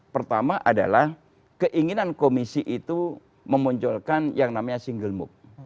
pertama adalah keinginan komisi itu memunculkan yang namanya single mood